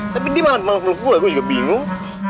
tapi dia malah peluk peluk gue gue juga bingung